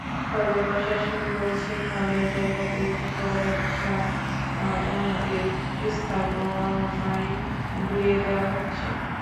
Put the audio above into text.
তবে প্রশাসন বলছে, খালের জায়গাতেই গড়ে ওঠা স্থাপনাই গুঁড়িয়ে দেওয়া হচ্ছে।